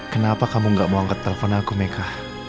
kenapa kamu gak mau angkat telfon aku meka